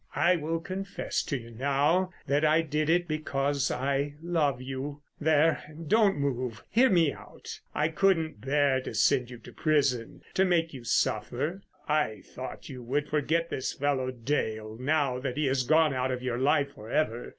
I will confess to you now that I did it because I love you—there, don't move, hear me out. I couldn't bear to send you to prison, to make you suffer. I thought you would forget this fellow Dale, now that he has gone out of your life for ever.